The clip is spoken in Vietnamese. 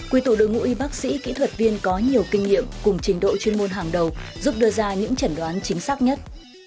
quy tụ đội ngũ y bác sĩ kỹ thuật viên có nhiều kinh nghiệm cùng trình độ chuyên môn hàng đầu giúp đưa ra những chẩn đoán chính xác nhất